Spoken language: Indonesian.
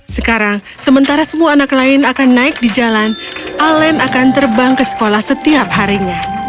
sekarang sementara semua anak lain akan naik di jalan alan akan terbang ke sekolah setiap harinya